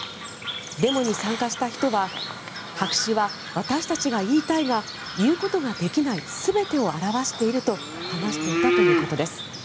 デモに参加した人は白紙は私たちが言いたいが言うことができない全てを表していると話していたということです。